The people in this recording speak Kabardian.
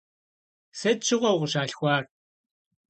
Sıt şığue vukhışalhxuar?